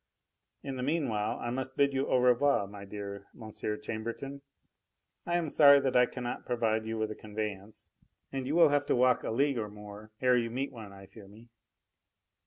In the meanwhile, I must bid you au revoir, my dear M. Chambertin. I am sorry that I cannot provide you with a conveyance, and you will have to walk a league or more ere you meet one, I fear me.